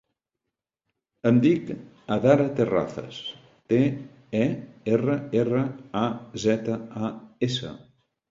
Em dic Adara Terrazas: te, e, erra, erra, a, zeta, a, essa.